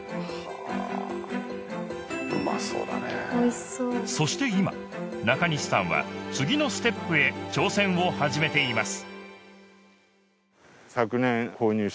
おいしそうそして今中西さんは次のステップへ挑戦を始めています